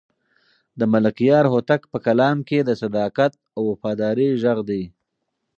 د ملکیار هوتک په کلام کې د صداقت او وفادارۍ غږ دی.